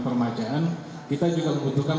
permajaan kita juga membutuhkan